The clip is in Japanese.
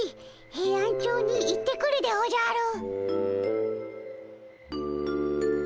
ヘイアンチョウに行ってくるでおじゃる。